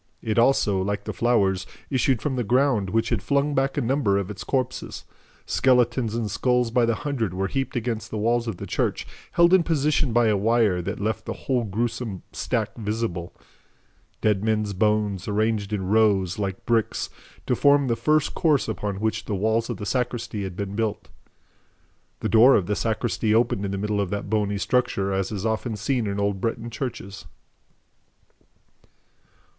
It also, like the flowers, issued from the ground, which had flung back a number of its corpses. Skeletons and skulls by the hundred were heaped against the wall of the church, held in position by a wire that left the whole gruesome stack visible. Dead men's bones, arranged in rows, like bricks, to form the first course upon which the walls of the sacristy had been built. The door of the sacristy opened in the middle of that bony structure, as is often seen in old Breton churches.